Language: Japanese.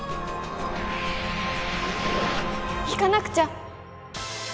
行かなくちゃ。